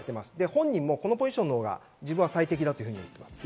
本人もこのポジションの方が最適だと言っています。